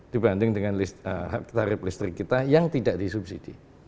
dibandingkan tarif listrik kita yang tidak di subsidi